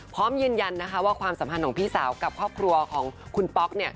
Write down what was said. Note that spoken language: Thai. พร้อมยืนยันนะคะว่าความสัมพันธ์ของพี่สาวกับครอบครัวของคุณป๊อก